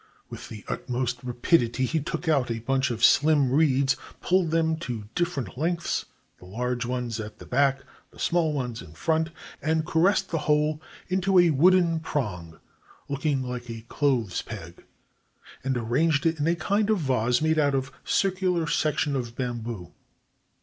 With the utmost rapidity he took out a bunch of slim reeds, pulled them to differ ent lengths, the large ones at the back, the small ones in front, and caressed the whole into a wooden prong looking like a clothes peg, and arranged it in a kind of vase made out of a circular section of bamboo.